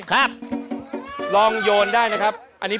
เฮ่น้องช้างแต่ละเชือกเนี่ย